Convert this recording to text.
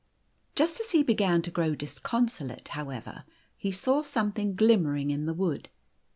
Just as he began to grow disconsolate, however, he saw something glimmering in the wood.